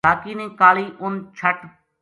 کا کی نے کالی اُ ن چھٹ